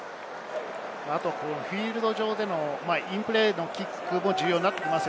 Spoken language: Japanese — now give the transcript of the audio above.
あとフィールド上でのインプレーのキックも重要になってきます。